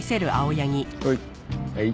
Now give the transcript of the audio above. はい。